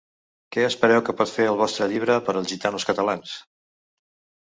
Què espereu que pot fer el vostre llibre per als gitanos catalans?